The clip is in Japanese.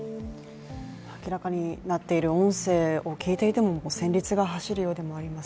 明らかになっている音声を聞いていても戦慄が走るようでもあります。